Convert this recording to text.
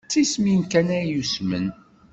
D tismin kan ay usmen.